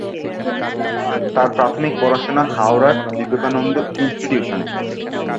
তার প্রাথমিক পড়াশোনা হাওড়ার বিবেকানন্দ ইনস্টিটিউশনে।